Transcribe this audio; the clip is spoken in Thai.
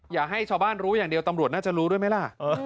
อย่าให้ชาวบ้านรู้อย่างเดียวตำรวจน่าจะรู้ด้วยไหมล่ะ